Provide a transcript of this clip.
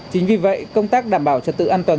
chính vì vậy công tác đảm bảo trật tự an toàn